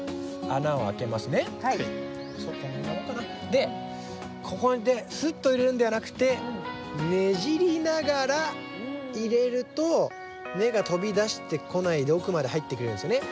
でここですっと入れるんではなくてねじりながら入れると根が飛び出してこないで奥まで入ってくれるんですよね。